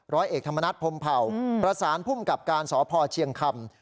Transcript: ร้อยเอกธรรมนัฐพรมเผ่าประสานภูมิกับการสพเชียงคำ